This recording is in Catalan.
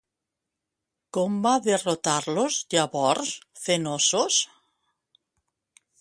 Com va derrotar-los, llavors, Cnossos?